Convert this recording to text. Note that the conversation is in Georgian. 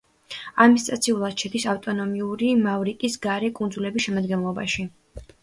ადმინისტრაციულად შედის ავტონომიურ მავრიკის გარე კუნძულების შემადგენლობაში.